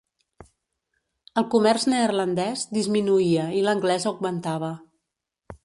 El comerç neerlandès disminuïa i l'anglès augmentava.